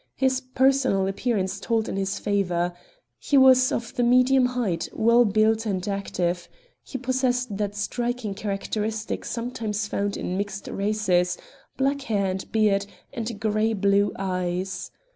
His personal appearance told in his favor. He was of the medium height, well built, and active. He possessed that striking characteristic sometimes found in mixed races—black hair and beard, and grey blue eyes.